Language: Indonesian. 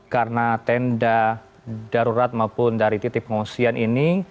karena tenda darurat maupun dari titik pengungsian ini